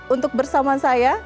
untuk bersama saya